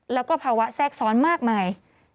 แล้วก็ภาวะแทรกซ้อนมากมาย